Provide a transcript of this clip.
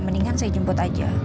mendingan saya jemput aja